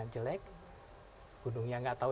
jelek gunungnya gak tahu